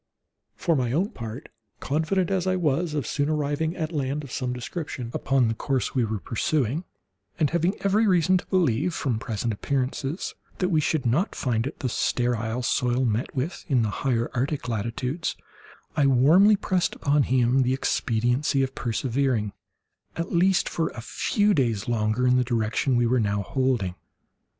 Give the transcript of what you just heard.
For my own part, confident as I was of soon arriving at land of some description upon the course we were pursuing, and having every reason to believe, from present appearances, that we should not find it the sterile soil met with in the higher Arctic latitudes, I warmly pressed upon him the expediency of persevering, at least for a few days longer, in the direction we were now holding.